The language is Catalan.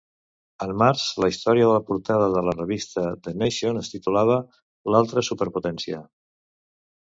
En març, la història de la portada de la revista "The Nation" es titulava "L'altra superpotència".